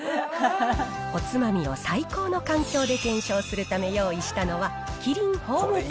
おつまみを最高の環境で検証するため用意したのは。